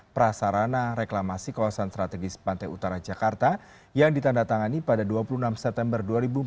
prasarana reklamasi kawasan strategis pantai utara jakarta yang ditandatangani pada dua puluh enam september dua ribu empat belas